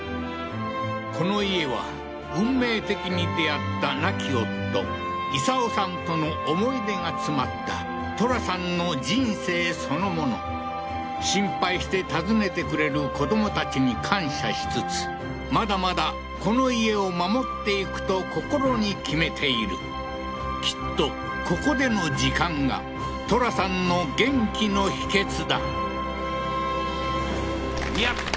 この家は運命的に出会った亡き夫勇男さんとの思い出が詰まったトラさんの人生そのもの心配して訪ねてくれる子どもたちに感謝しつつまだまだこの家を守っていくと心に決めているきっとここでの時間がトラさんの元気の秘けつだいや